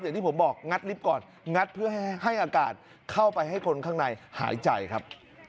อย่างที่ผมบอกงัดลิฟต์ก่อนงัดเพื่อให้อากาศเข้าไปให้คนข้างในหายใจครับ